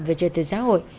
về trợ tử xã hội